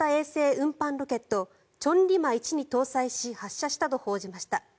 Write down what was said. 運搬ロケット千里馬１に搭載し、発射したと報じました。